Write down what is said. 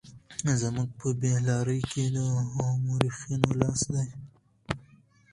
زموږ په بې لارۍ کې د مورخينو لاس دی.